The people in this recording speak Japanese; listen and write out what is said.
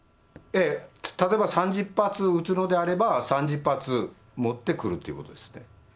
例えば３０発撃つのであれば、３０発持ってくるということですね。